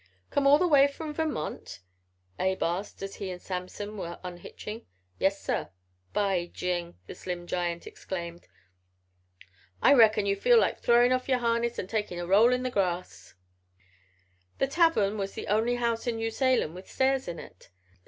"Come all the way from Vermont?" Abe asked as he and Samson were unhitching. "Yes, sir." "By jing!" the slim giant exclaimed. "I reckon you feel like throwin' off yer harness an' takin' a roll in the grass." The tavern was the only house in New Salem with stairs in it.